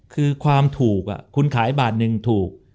คือความถูกคุณขายบาทหนึ่งถูก